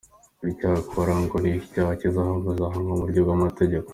Icyakora ngo uwo icyaha kizahama azahanwa mu buryo bw’amategeko.